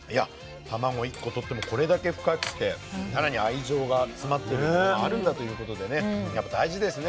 たまご１個取ってもこれだけ深くて更に愛情が詰まってるっていうものあるんだということでねやっぱ大事ですね